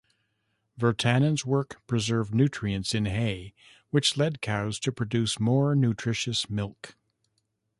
Virtanen's work preserved nutrients in hay, which lead cows to produce more nutritious milk.